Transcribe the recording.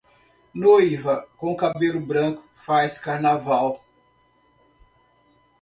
Noiva com cabelo branco faz carnaval.